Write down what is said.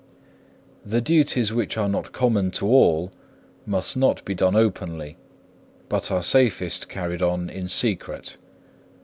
5. The duties which are not common to all must not be done openly, but are safest carried on in secret.